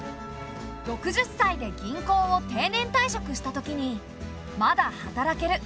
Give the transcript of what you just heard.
６０歳で銀行を定年退職したときに「まだ働ける。